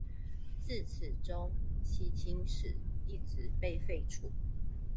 自此中圻钦使一职被废除。